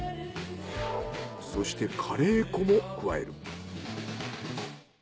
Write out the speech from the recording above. そしてカレー粉も加える。